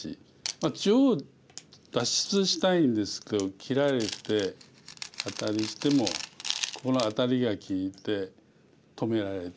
中央脱出したいんですけど切られてアタリしてもここのアタリが利いて止められて。